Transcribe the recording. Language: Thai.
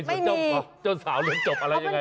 ส่วนเจ้าสาวเรียนจบอะไรยังไง